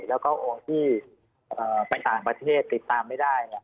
แล้วก็องค์ที่ไปต่างประเทศติดตามไม่ได้